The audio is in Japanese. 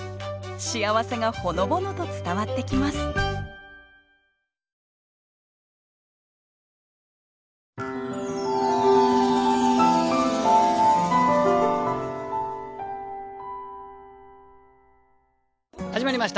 幸せがほのぼのと伝わってきます始まりました